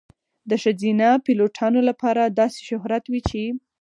د ښځینه پیلوټانو لپاره داسې شهرت وي چې .